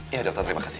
iya dokter terima kasih